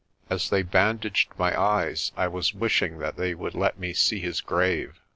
As they bandaged my eyes I was wishing that they would let me see his grave.